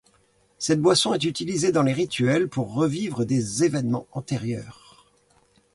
Cette boisson est utilisée dans les rituels pour revivre des événements antérieurs.